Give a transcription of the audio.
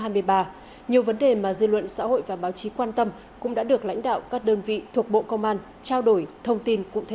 nhiều vấn đề mà dư luận xã hội và báo chí quan tâm cũng đã được lãnh đạo các đơn vị thuộc bộ công an trao đổi thông tin cụ thể